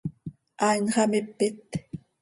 Haai nxamipit.